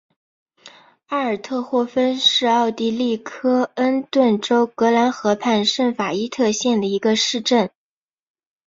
阿尔特霍芬是奥地利克恩顿州格兰河畔圣法伊特县的一个市镇。